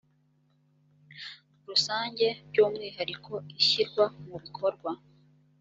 rusange by umwihariko ishyirwa mu bikorwa